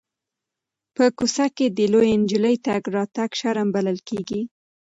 په کوڅه کې د لویې نجلۍ تګ راتګ شرم بلل کېږي.